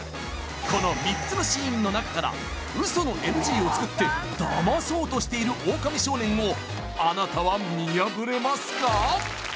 この３つのシーンの中からウソのＮＧを作ってダマそうとしているオオカミ少年をあなたは見破れますか？